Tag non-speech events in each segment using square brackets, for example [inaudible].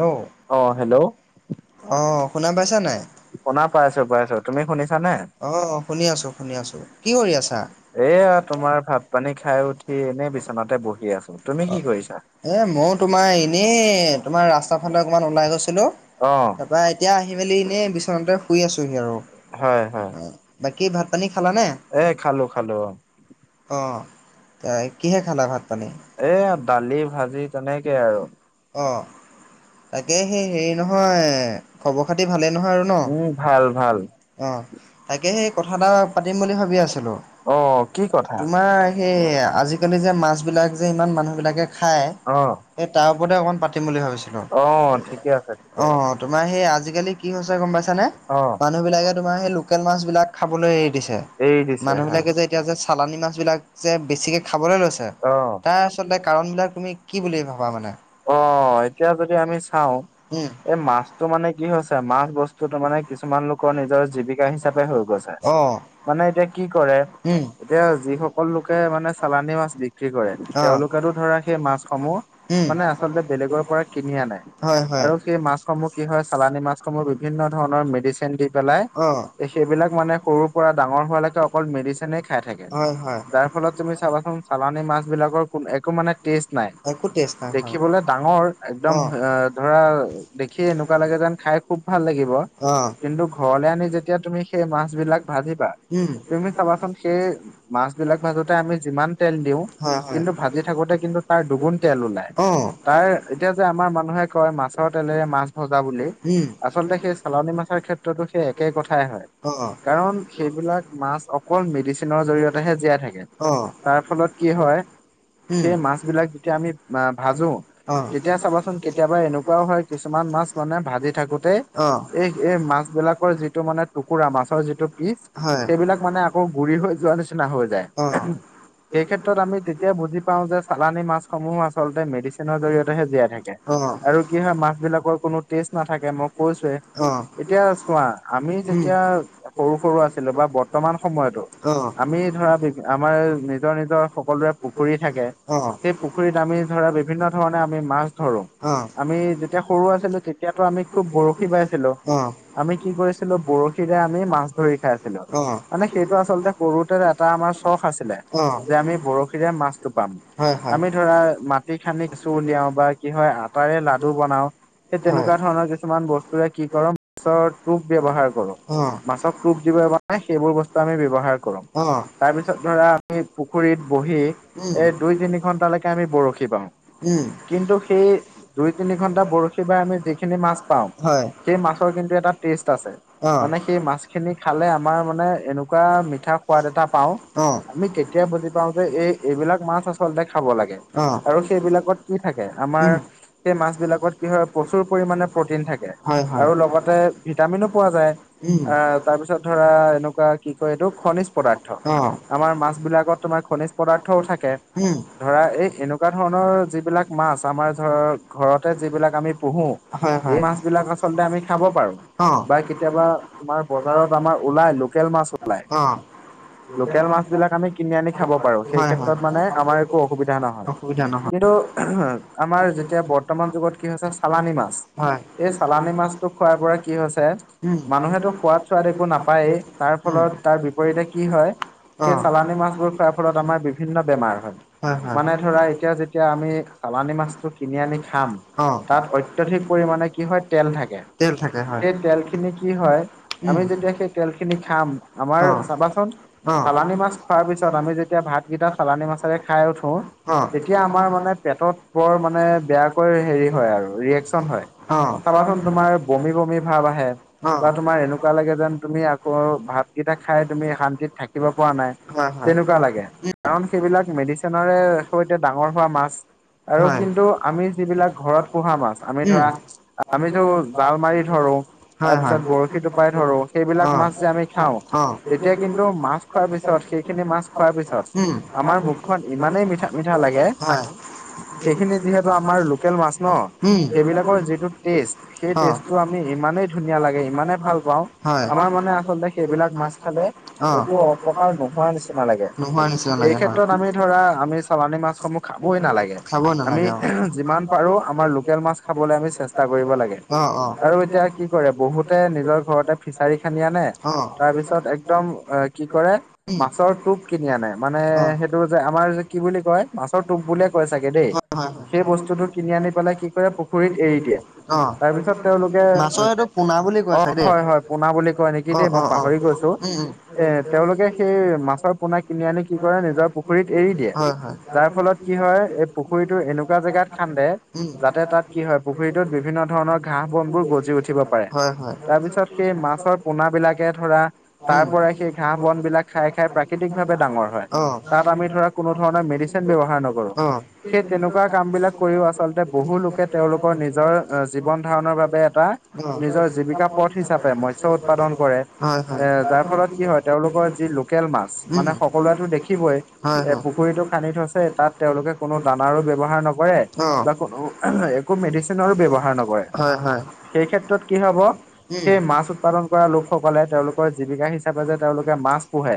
ঔ। অ, হেল্ল'। অ, শুনা পাইছা নাই? শুনা পাইছো পাইছো তুমি শুনিছানে? অ শুনি আছো, শুনি আছো। কি কৰি আছা? এইয়া তোমাৰ ভাত-পানী খাই উঠি এনেই বিচনাতে বহি আছো। তুমি কি কৰিছা? এ মও তোমাৰ এনেই তোমাৰ ৰাস্তাৰ ফালে অকমান ওলাই গৈছিলো। অ, তাপ বা এতিয়া আহি মেলি এনেই বিচনাতে শুই আছোহি আও। হয় হয় অ বাকী ভাত-পানী খালানে? এ খালো খালো অ অ তাই কিহে খালা ভাত-পানী? এইয়া দালি, ভাজি তেনেকেই আৰু। অ। তাকে হেই হেৰি নহয় খবৰ খাতি ভালেই নহয় আৰু ন? ভাল। অ, তাকেই হেই কথা এটা পাতিম বুলি ভাবি আছিলো। অ। কি কথা তোমা সেই আজি-কালি যে মাছ বিলাক যে ইমান মানুহ বিলাকে খায় অ। পদে অকণ পাতিম বুলি ভাবিছিলো। অ ঠিকে আছে ঠিকে আছে অ-অ। তোমাৰ হেই আজি-কালি কি হৈছে গম পাইছানে? অ মানুহ বিলাকে তোমাৰ হেই লোকেল মাছ বিলাক খাবলৈ এৰি দিছে। এৰি দিছে মানুহ হয় বিলাকে যে এতিয়া যে চালানী মাছবিলাক যে বেছিকে খাবলে লৈছে অ তাৰ আচলতে কাৰণবিলাক তুমি কি বুলি ভাবা মানে? অ এতিয়া যদি আমি চাওঁ উম, এই মাছটো মানে কি হৈছে, মাছ বস্তুটো মানে কিছুমান লোকৰ নিজৰ জীৱিকা হিচাপে হৈ গৈছে। অ', মানে এতিয়া কি কৰে, উম। এতিয়া যিসকল লোকে মানে চ চালানি মাছ বিক্ৰী কৰে। অ', তেওঁলোকেতো ধৰা সেই মাছসমূহ উম, মানে আচলতে বেলেগৰ পৰা কিনি আনে। হয়, হয়, আৰু সেই মাছসমূহ কি হয় চালানী মাছসমূহ বিভিন্ন ধৰণৰ মেডিচেন দি পেলাই অ', সেইবিলাক মানে সৰুৰ পৰা ডাঙৰ হোৱালেকে অকল মেডিচিনে খাই থাকে। হয়, হয়, যাৰ ফলত তুমি চাবাচোন চালানী মাছ বিলাকৰ কোনো একো মানে টেষ্ট নাই একো টেষ্ট নাই হয়। দেখিবলে ডাঙৰ। একদম অ', আ ধৰা দেখিয়ে এনেকুৱা লাগে যেন খাই খুব ভাল লাগিব। অ', কিন্তু ঘৰলে আনি যেতিয়া তুমি সেই মাছ বিলাক ভাজিবা উম। তুমি চাবাচোন [unintelligible] সেই মাছ বিলাক ভাজোত তে আমি যিমান তেল দিওঁ হয়, হয়, কিন্তু ভাজি থাকোতে কিন্তু তাৰ দুগুণ তেল ওলায়। অ', তাৰ এতিয়া যে আমাৰ মানুহে কয় মাছৰ তেলেৰে মাছ ভজা বুলি। উম, আচলতে সেই চালানী মাছৰ ক্ষেত্ৰতো সেই একে কথাই হয়। অ। [unintelligible] ডিচিনৰ জৰিয়তেহে জীয়াই থাকে। অ', তাৰ ফলত কি হয় উম, সেই মাছ বিলাক যেতিয়া আমি মা ভাজো অ', তেতিয়া চাবাচোন কেতিয়াবা এনেকুৱাও হয় কিছুমান মাছ মানে ভাজি থাকোতেই অ', এই এই মাছ বিলাকৰ যিটো মানে টুকুৰা, মাছৰ যিটো পিচ হয়। কৌ গুৰি হৈ যোৱা নিচিনা হৈ যায়। অ। সেই ক্ষেত্ৰত আমি তেতিয়া বুজি পাওঁ যে চালানী মাছসমূহো আচলতে মেডিচেনৰ জৰিয়তেহে জীয়াই থাকে। আৰু কি হয় মাছ বিলাকৰ কোনো টেষ্ট নাথাকে, মই অ', অ'। কৈছোৱেই। এতিয়া চোৱা। আমি উম, যেতিয়া সৰু-সৰু আছিলো বা বৰ্তমান সময়তো অ। আমি ধৰা বিভি আমাৰ নিজৰ নিজৰ সকলোৱে পুখুৰী থাকে অ', সেই পুখুৰীত আমি ধৰা বিভিন্ন ধৰণে আমি মাছ ধৰো। অ', আমি যেতিয়া সৰু আছিলো তেতিয়াতো আমি খুব বৰশী বাইছিলো। অ', আমি কি কৰিছিলো বৰশী বাই আমি মাছ ধৰি খাইছিলো অ', মানে সেইটো আছ [unintelligible] চখ আছিলে। যে, অ', আমি বৰশীৰে মাছটো পাম। হয়, হয়, আমি ধৰা, মাটি খান্দি কেঁচু উলিয়াও বা কি হয়, আটাৰে লাডু বনাও। সেই হয়, তেনেকুৱা ধৰণৰ কিছুমান বস্তুৱে কি কৰো মাছৰ টোপ ব্যৱহাৰ কৰোঁ। অ'! এহ সেইবোৰ বস্তু আমি ব্যৱহাৰ কৰোঁ। অ', তাৰ পিছত, ধৰা আমি পুখুৰীত বহি, উম, এই দুই তিনি ঘণ্টালেকে আমি বৰশী বাওঁ। উম! ঘন্টা বৰশী বাই আমি যিখিনি মাছ পাওঁ হয়। সেই মাছৰ কিন্তু এটা টেষ্ট আছে। অ! মানে সেই মাছখিনি খালে আমাৰ মানে, এনেকুৱা মিঠা সোৱাদ এটা পাওঁ। অ', আমি কেতিয়া বুজি পাওঁ যে, এই এইবিলাক মাছ আচলতে খাব লাগে অ', আৰু সেইবিলাকত কি থাকে? আমাৰ উম, সেই মাছ বিলাকত কি হয়, প্ৰচুৰ পৰিমানে প্ৰটিন থাকে হয়, হয়। আৰু লগতে ভিটামিনো পোৱা যায়। উম। অ', আঁ তাৰ পিছত ধৰা, এনেকুৱা কি কয়! উম, এইটোক খনিজ পদাৰ্থ। আমাৰ মাছ বিলাকত, তোমাৰ খনিজ পদাৰ্থও থাকে। ধৰা, এই এনেকুৱা ধৰণৰ যিবিলাক মাছ, আমাৰ ধৰ ঘৰতে যিবিলাক আমি পোঁহো হুম হুম মাছ বিলাক আচলতে আমি খাব পাৰোঁ। বা কেতিয়াবা, তোমাৰ বজাৰত আমাৰ ওলাই, লোকেল মাছ ওলাই। অ'! লোকেল মাছ বিলাক আমি কিনি আনি খাব পাৰোঁ। সেই হয়, হয়, ক্ষেত্ৰত মানে, আমাৰ একো অসুবিধা নহয়। অসুবিধা নহয়, কিন্তু, আমাৰ যেতিয়া বৰ্তমান যুগত কি হৈছে, চালানি মাছ হয়। এই চালানি মাছটো খোৱাৰ পৰা কি হৈছে, মানুহেতো সোৱাদ চোৱাদ একো নাপায়েই। তাৰ ফলত, তাৰ বিপৰীতে কি হয়, সেই চালানি মাছবোৰ খোৱাৰ ফলত আমাৰ বিভিন্ন বেমাৰ হয়। মানে, ধৰা এতিয়া যে যেতিয়া আমি চালানি মাছটো কিনি আনি খাম। তাত অত্যাধিক পৰিমানে কি হয়, তেল থাকে। সেই সেই তেলখিনি তেলখিনি কি হয়? আমি যেতিয়া সেই তেল খিনি খাম, আমাৰ চাবাচ চোন, চাবাচোন চালানী মাছ খোৱাৰ পিছত, আমি যেতিয়া ভাতগেটা চালানী মাছেৰে খাই উঠোঁ লওঁ তেতিয়া, আমাৰ মানে পেটত বৰ মানে, বেয়াকৈ হেৰি হয় আৰু ৰিয়েকচন হয়। উম অ অ অ অ চাবাচোন তোমাৰ, বমি বমি ভাৱ আহে বা তোমাৰ এনেকু এনেকুৱা লাগে যেন তুমি আকৌ ভাতকেইটা খায় তুমি শান্তিত থাকিব পৰা নাই, হয় তেনেকুৱা হয় লাগে। কাৰণ, সেইবিলাক মেডিচনৰে সৈতে ডাঙৰ হোৱা মাছ আৰু হয় কিন্তু, আমি যিবিলাক ঘৰত পোঁহা মাছ, আমি উম ধৰা, আমিটো জাল মাৰি ধৰোঁ। হয় তাৰ হয় পিছত, বৰশী টোপাই ধৰোঁ। অ সেইবিলাক মাছ যে আমি খাওঁ তেতিয়া কিন্তু মাছ খোৱাৰ পিছত সেইখিনি মাছ অ'! খোৱাৰ পিছত আমাৰ মুখখন ইমানেই মিঠা মিঠা উম লাগে সেইখিনি যিহেতু আমাৰ হয়! লোকেল মাছ ন সেইবিলাকৰ যিটো টেষ্ট উম সেই অ'! টেষ্টটো আমি ইমানেই ধুনীয়া লাগে ইমানেই ভাল পাওঁ হয়। আমাৰ মানে আচলতে সেইবিলাক মাছ খালে অ একো অপকাৰ নোহোৱা নিচিনা লাগে। নোহোৱা নিচিনা সেই লাগে হয় ক্ষেত্ৰত আমি ধৰা, আমি চালানী মাছসমূহ খাবই নালাগে। খাব আমি নালাগে অ যিমান পাৰোঁ, আমাৰ লোকেল মাছ খাবলে আমি চেষ্টা কৰিব লাগে। আৰু আৰু এতিয়া কি কৰে? বহুতে নিজৰ ঘৰতে ফিচাৰি খানি আনে। তাৰ পিছত এক একদম কি কৰে? আইচৰ মাছৰ টোপ কিনি আনে। মানে, সেইটো যে, আমাৰ যে কি বুলি কয়? মাছৰ টোপ বুলিয়ে কয় চাগে দেই। সেই বস্তুটো কিনি আনি পেলাই কি কৰে, পুখুৰীত এৰি দিয়ে। তাৰ পিছত, তেওঁলোকে মাছৰ সেইটো পোনা বুলি কয় অ'! চাগে দেই হয়, হয়। পোনা বুলি কয় নিকি অ দেই! অ মই অ পাহৰি গৈছোঁ। উম! উম! পোনা কিনি আনি কি কৰে নিজৰ পুখুৰীত এৰি দিয়ে [unintelligible] হয়, হয়। তাৰ যাৰ ফলত কি হয় এই পুখুৰীটো এনেকুৱা জেগাত খান্দে [unintelligible] উম যাতে তাত কি হয় পুখুৰীটোত বিভিন্ন ধৰণৰ ঘাঁহ, বনবোৰ গজি উঠিব পাৰে। হয়। হয়। তাৰ পিছত সেই মাছৰ পোনা বিলাকে ধৰা তাৰ উম। পৰা, সেই ঘাঁহ, বন বিলাক খাই খাই প্ৰাকৃতিক ভাৱে ডাঙৰ হয়। অ'। তাত আমি ধৰক কোনো ধৰণৰ মেডিচিন ব্যৱহাৰ নকৰোঁ। অ', সেই তেনেকুৱা কাম বিলাক কৰিও আচলতে বহু লোকে তেওঁওলোকৰ নিজৰ জীৱন ধাৰণৰ বাবে এটা অ'। নিজৰ জীৱিকা পথ হিচাপে মৎস্য উৎপাদন কৰে। হয় হয়। এ- যাৰ ফলত কি হয়, তেওঁলোকৰ যি লোকেল মাছ উম। মানে সকলোৱেতো দেখিবই। হয় এ হয়, পুখুৰীতটো খান্দি থৈছে তাত তেওঁলোকে কোনো দানাৰো ব্যৱহাৰ নকৰে অ', বা কোনো একো মেডিচনৰো ব্যৱহাৰ নকৰে, হয় হয়। সেই ক্ষেত্ৰত কি হব অ', অ'। সেই মাছ উৎপাদন কৰা লোকসকলে তেওঁলোক জীৱিকা হিচাপে যে তেওঁলোকে মাছ পোহে,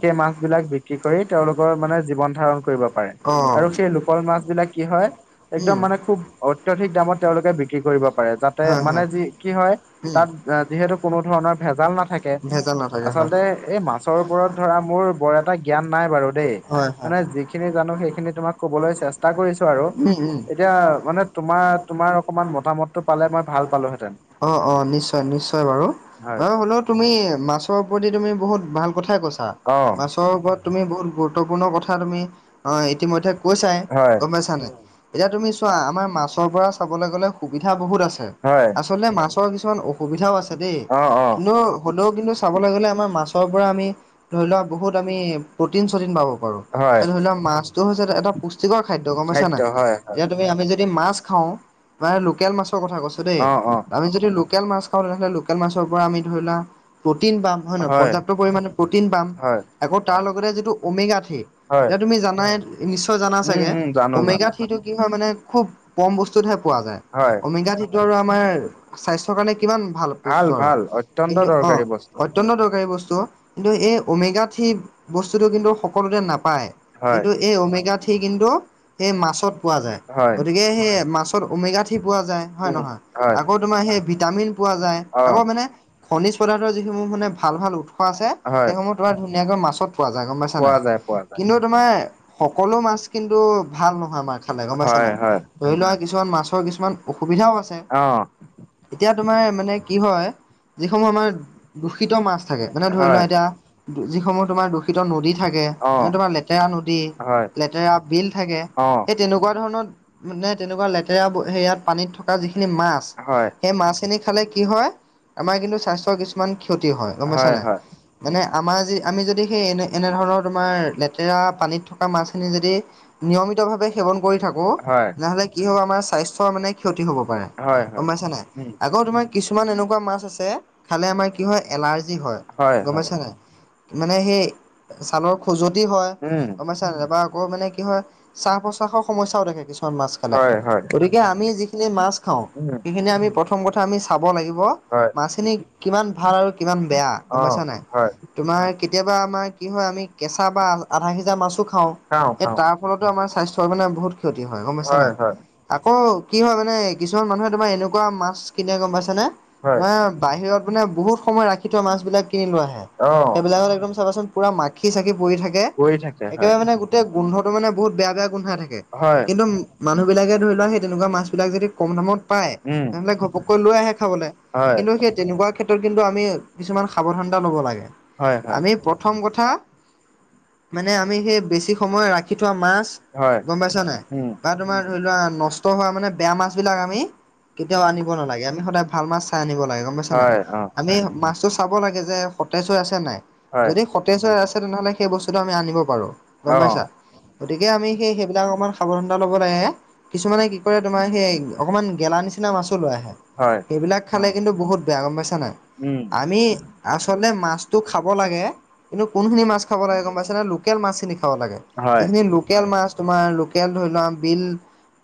সেই মাছ বিলাক বিক্ৰী কৰি তেওঁলোকৰ মানে জীৱন ধাৰণ কৰিব। পাৰে আৰু সেই লোকল মাছ বিলাক কি হয় একদম উম। মানে খুব অত্যধিক দামত তেওঁলোকে বিক্ৰী কৰিব পাৰে। পাৰে যাতে হয়, মানে হয়। যি কি হয় তাত যিহেতু কোনো ধৰণৰ ভেজাল নাথাকে [unintelligible] ভেজান আচলতে এই মাছৰ ওপৰত ধৰা মোৰ বৰ এটা জ্ঞান নাই বাৰু দেই। হয়, হয়। মানে যিখিনি জানো সেইখিনি তোমাক কবলৈ চেষ্টা কৰিছো আৰু। উম, উম। এতিয়া মানে তোমাৰ তোমাৰ অকমান মতামতটো পালে মই ভাল পালোহেঁতেন। অ অ নিশ্চয় নিশ্চয় বাৰু। হয় অ শুনৌ তুমি মাছৰ ওপৰতদি তুমি বহুত ভাল কথাই কৈছা অ মাছৰ ওপৰত। তুমি বহুত গুৰুত্বপূৰ্ণ কথা তুমি অ ইতিমধ্যে কৈছাই হয় গম পাইছা নাই। এতিয়া তুমি চোৱা আমাৰ মাছৰ পৰা চাবলৈ গ'লে। সুবিধা বহুত আছে, হয় আচলতে মাছৰ কিছুমান অসুবিধাও আছে দেই। অ অ কিন্তু হলেও কিন্তু চাবলৈ গ'লে আমাৰ মাছৰ পৰা আমি ধৰি লোৱা বহুত আমি প্ৰটিন চটিন পাব পাৰো হয় ধৰি লওক মাছতটো হৈছে এটা পুষ্টিকৰ খাদ্য গম পাইছা নাই, হয় হয় এতিয়া তুমি আমি যদি মাছ খাওঁ। প্ৰায় লোকেল মাছৰ কথা কৈছো দেই অ অ আমি যদি লোকেল মাছ খাওঁ তেনেহলে লো- লোকেল মাছৰ পৰা আমি ধৰিলোৱা প্ৰটিন পাম হয় নহয় পৰ্যাপ্ত পৰিমণে প্ৰটিন পাম। হয় আকৌ তাৰ লগতে যিটো অমেগাঠি হয় এতিয়া তুমি জানাই নিশ্চয় জানা উম চাগে। উম জানো জানো অমেগাথিটো কি হয় মানে খুব কম বস্তুতহে পোৱা যায়। হয়। অমিগাঠীটো আৰু আমাৰ স্বাস্থ্যৰ কাৰণে কিমান ভাল। বস্তু আৰু ভাল অত্যন্ত কিন্তু অ দৰকাৰী বস্তু অত্যন্ত দৰকাৰী বস্তু কিন্তু এই উমেগাতথি বস্তুটো কিন্তু সকলোতে নাপায়। হয় কিন্তু এই অমেগাথি কিন্তু সেই মাছত পোৱা যায়, হয় গতিকে সেই মাছ ত উমেগাথি পোৱা যায় হয় উম নহয় হয় আকৌ তোমাৰ সেই ভিটামিন পোৱা যায়। অ আকৌ মানে খনিজ পদাৰ্থৰ যিসমূহ মানে ভাল ভাল উৎ- খোৱা আছে হয় সেইসমূহ তোমাৰ ধুনীয়াকৈ মাছত পোৱা যায় গম পাইছা না পোৱা যায় পোৱা যায় কিন্তু তোমাৰ সকলো মাছ কিন্তু ভাল নহয়, আমাৰ খালে গম পাইছে হয় না হয় ধৰি লোৱা কিছুমান মাছৰ কিছুমান। অসুবিধাও আছে অ এতিয়া তোমাৰ মানে। কি হয়, যিসমূহ আমাৰ দূষিত মাছ থাকে মানে ধৰি লোৱা হয় এতিয়া যিসমূহ তোমাৰ দূষি- প্ৰকৃত নদী থাকে, অ তোমাৰ লেতেৰা নদী হয় লেতেৰা বিল থাকে। অ এই তেনেকুৱা ধৰণৰ মানে তেনেকুৱা লেতেৰা সেয়াত পানীত থকা যিখিনি মাছ হয় সেই মাছখিনি খালে কি হয়, আমাৰ কিন্তু স্বাস্থ্যৰ কিছুমান ক্ষতি হয় গম পাইছা নাই। মানে আমাৰ যি আমি যদি সেই এনে এনেধৰণৰ তোমাৰ লেতেৰা পানীত থকা মাছখিনি যদি নিয়মিত ভাৱে সেৱন কৰি থাকো হয় নহ'লে কি হ'ব আমাৰ স্বাস্থ্যৰ মানে ক্ষতি হ'ব পাৰে। হয় হয় গম পাইছা নাই উম আকৌ তোমাৰ কিছুমান এনেকুৱা মাছ আছে খালে আমাৰ কি হয় এলাৰ্জি হয় গম পাইছা নাই। মানে সেই ছালৰ খজুৱতি হয়। উম গম পাইছা নাই বা আকৌ মানে কি হয় শ্বাহ প্ৰশাসৰ সমস্যাও থাকে কিছুমান মাছ খালে। হয় হয় গতিকে আমি যিখিনি মাছ খাওঁ উম সেইখিনি আমি প্ৰথ- প্ৰথম কথা আমি চাব লাগিব, হয় মাছখিনি কিমান ভাল আৰু কিমান বেয়া গম অ পাইছা নাই। হয় তোমাৰ কেতিয়াবা আমাৰ কি হয় আমি কেঁচা বা আধা সিজা মাছো খাও খাওঁ সেই খাওঁ তাৰ। ফলতে আমাৰ স্বাস্থ্য মানে বহুত। ক্ষতি হয় গম পাইছা নাই আকৌ কি হয় মানে কিছুমান মানুহে তোমাৰ এনেকুৱা মাছ কিনে গম পাইছ হয়নে হয় ৱা বাহিৰত বোলে বহুত সময় ৰাখি থোৱা মাছ বিলাক কিনি লৈ আহে। অ সেইবিলাকত একদম চাবাচোন পুৰা মাখি চাখি পৰি থাকে। পই থাকে হয়। একেবাৰে মানে গোটেই গোন্ধটো মানে বহুত বেয়া বেয়া গোন্ধাই থাকে হয় কিন্তু মানুহ বিলাকে ধৰি লোৱা সেই তেনেকুৱা মাছ বিলাক যদি। কম দামত পায় উম তেনেহ'লে ঘপককৈ লৈ আহে খাবলে হয় কিন্তু সেই তেনেকুৱা ক্ষেত্ৰত কিন্তু আমি কিছুমান সাৱধানতা ল'ব লাগে হয় হয় আমি প্ৰথম কথা। মানে আমি সেই বেছি সময় ৰাখি থোৱা মাছ। হয় গম পাইছা নাই উম বা তোমাৰ ধৰি লোৱা নষ্ট হোৱা মানে বেয়া মাছ বিলাক আমি। কেতিয়াও আনিব নালাগে আমি সদায় ভাল মাছ চাই আনিব লাগে গম পাইছা নাই। হয় অ আমি মাছতো চাব লাগে যে সতেজ হৈ আছে নাই হয় যদি সতেজ হৈ চ আছে তেনেহলে সেই বস্তুটো আমি আনিব পাৰোঁ গম অ পাইছা গতিকে আমি সেই বিলাক অকমান সাৱধানতা ল'ব লাগে কিছুমানে কি কৰে তোমাৰ সেই অকনমান গেলা নিচিনা মাছো লৈ আহে। হয়। এইবিলাক খালে কিন্তু বহুত বেয়া গম পাইছা নাই উম আমি আচলতে মাছটো খাব লাগে। কিন্তু কোনখিনি মাছ খাব লাগে গম পাইছেনে লোকেল মাছ খিনি খাব লাগে হয়। যোনখিনি লোকেল মাছ তোমাৰ লোকেল ধৰি লোৱা বিল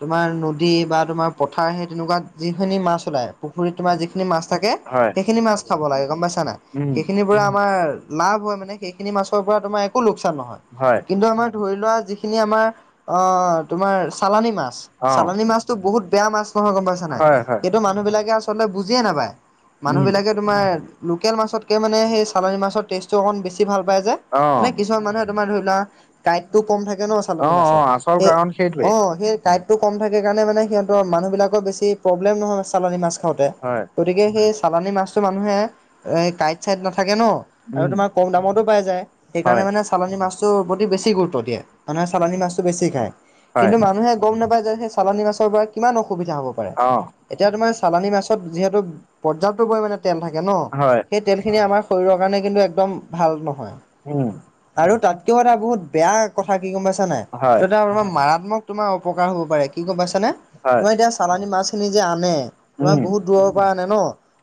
তোমাৰ নদী বা তোমাৰ পথাৰ সেই তেনেকুৱাত যিখিনি মাছ ওলায় পুখুৰীত তোমাৰ যিখিনি মাছ থাকে হয়, সেইখিনি মাছ খাব লাগে গম পাইছা না উম, সেইখিনি হে আমাৰ লাভ হয় মানে সেইখিনি মাছৰ পৰা তোমাৰ একো লোকচান নহয়। হয়, কিন্তু আমাৰ ধৰি লোৱা যিখিনি আমাৰ আহ তোমাৰ চালানি মাছ অ'। চালানী মাছতো বহুত বেয়া মাছ নহয় গম পাইছা নাই হয়, হয়, সেইটো মানুহ বিলাক আচলতে বুজিয়ে নাপায় মানুহ উম। বিলাকে তোমাৰ লোকেল মাছতকে মানে সেই চালনী মাছৰ টেষ্টটো অকণ বেছি ভাল পায় যে অ'। মানে অ', কিছুমান মানুহে তোমাৰ ধৰি লোৱা কাঁইটটো কম থাকে ন চালানী মাছৰ অ', আচল সেই কাৰণ সেইটোৱে। অ সেই কাইটো কম থাকে কাৰণে মানে সিহঁতৰ মানুহবিলাকৰ বেছি প্ৰব্লেম নহয় চালানী মাছ খাওতে হয়। গতিকে সেই চালানী মাছটো মানুহে কাইট চাইট নাথাকে ন আৰু উম, তোমাৰ কম দামতো পাই যায়। সেইকাৰণে হয়। মানে চালানী মাছটোৰ প্ৰতি বেছি গুৰুত্ব দিয়ে মানুহে চালানী মাছটো বেছি খায়। হয়। কিন্তু মানুহে গম নাপায় যে সেই চালনী মাছৰ পৰা কিমান অসুবিধা হ'ব পাৰে অ', এতিয়া তোমাৰ চালানী মাছত যিহেতু পৰ্যাপ্ত পৰিমাণে তেল থাকে ন হয়। সেই তেল সেইখিনি আমাৰ শৰীৰৰ কাৰণে কিন্তু একদম ভাল নহয়। উম, আৰু তাতকেও এটা বহুত বেয়া কথা কি গম পাইছা নাই ত হয়। এটা আমাৰ মাৰাত্মক তোমাৰ অপকাৰ হ'ব পাৰে কি গম পাইছানে হয়। তোমাৰ এতিয়া চালানী মাছখিনি যে আনে তোমাৰ উম, বহুত দূৰৰ পৰা আনে ন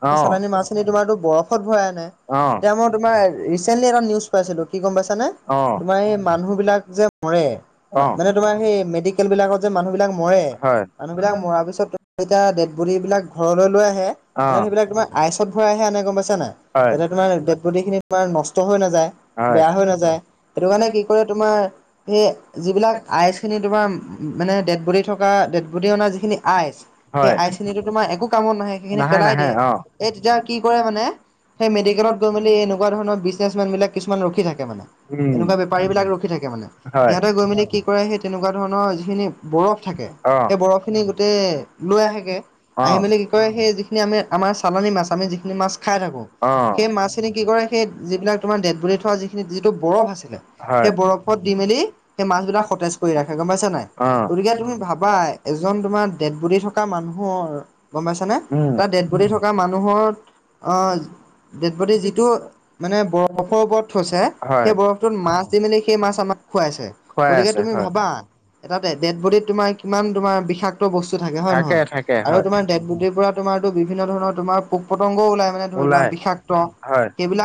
সেই অ'। চালানী মাছখিনি তোমাৰতো বৰফত ভৰাই আনে। অ'। এতিয়া মই তোমাৰ ৰিচেন্টলি এটা নিউজ পাইছিলো কি গম পাইছানে অ'। তোমাৰ এই মানুহ বিলাক যে। মৰে অ'। মানে তোমাৰ সেই মেডিকেল বিলাকত যে মানুহ বিলাক মৰে হয়। মানুহ বিলাক মৰা পিছত। এতিয়া ডেড বডি বিলাক ঘৰলে লৈ আহে এনে অ'। সেইবিলাক তোমাৰ আইচত ভৰাই হে আনে গম পাইছা নাই। হয়। যাতে তোমাৰ ডেড বডি খিনি তোমাৰ নষ্ট হৈ নাযায় হয়। বেয়া হৈ নাযায়। সেইটো কাৰণে কি কৰে তোমাৰ সেই। যিবিলাক আইচখিনি তোমাৰ মানে ডেড বডি থকা ডেড বডি অনা যিখিনি আইচ। সেই হয় আইচখিনিতো তোমাৰ একো কামত নাহে সেই খিনি পেলাই নাহে দিয়ে অ'। এই তেতিয়া কি কৰে মানে সেই মেডিকেলত গই। গৈ মেলি এনেকুৱা ধৰণৰ বিজনেচ মেন বিলাক। কিছুমান ৰখি থাকে মানে উম, এনেকুৱা বেপাৰীবিলাক ৰখি থাকে মানে হয়। সিহঁতে গৈ মেলি কি কৰে সেই তেনেকুৱা ধৰণৰ যিখিনি বৰফ থাকে অ', সেই বৰফখিনি গোটেই লৈ আহেগে। অ'। আহি অ'। মেলি কি কই সেই যিখিনি আমি আমাৰ চালানী মাছ, আমি যিখিনি মাছ খাই থাকো। সেই মাছখিনি কি কৰে সেই যিবিলাক তোমাৰ ডেড বডি থোৱা যিখিনি যিটো বৰফ আছিলে হয়। সেই বৰফত দি মেলি সেই মাছ বিলাক সতেজ কৰি ৰাখে গম পাইছা নাই অ'। গতিকে তুমি ভাবাই। এজন তোমাৰ ডেড বডি থকা মানুহৰ। গম পাইছানে? উম, তাৰ ডেড বডি থকা মানুহৰ অ ডেডবডি যিটো মানে ব বৰফৰ ওপৰত থৈছে হয়। সেই বৰফটোত মাছ দি মেলি সেই মাছ আমাক খুৱাইছে। খুৱাই গতিকে আছে তুমি হয়। ভাবা এটা ডে ডেড বডিত তোমাৰ কিমান তোমাৰ বিষাক্ত বস্তু থাকে, হয় নহয়? থাকে আৰু হয় তোমাৰ ডেড বডিৰ পৰা তোমাৰ টো বিভিন্ন ধৰণৰ তোমাৰ পোক-পতংগও ওলাই মানে ধৰি লোৱা ওলাই বিষাক্ত। হয় সেইবিলাক